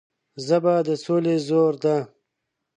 ژبه د سولې زور ده